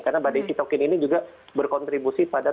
karena badai sitokin ini juga berkontribusi pada terjadi